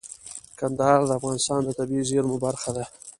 کندهار د افغانستان د طبیعي زیرمو برخه ده.